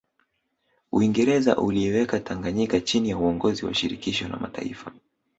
Uingereza uliiweka Tanganyika chini ya uongozi wa Shirikisho la Mataifa